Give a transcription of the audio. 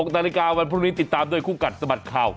นาฬิกาวันพรุ่งนี้ติดตามด้วยคู่กัดสะบัดข่าว